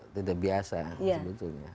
tidak biasa sebetulnya